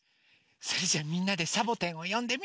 それじゃあみんなでサボテンをよんでみよ。